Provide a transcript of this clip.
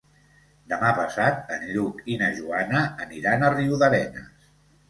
Demà passat en Lluc i na Joana aniran a Riudarenes.